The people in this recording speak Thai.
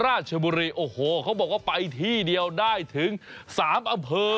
ราชบุรีโอ้โหเขาบอกว่าไปที่เดียวได้ถึง๓อำเภอ